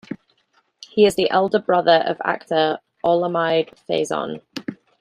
He is the elder brother of actor Olamide Faison.